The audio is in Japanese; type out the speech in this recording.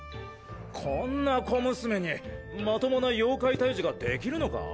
こんな小娘にまともな妖怪退治が出来るのか？